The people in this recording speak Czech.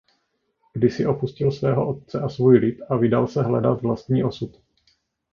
Kdysi opustil svého otce a svůj lid a vydal se hledat vlastní osud.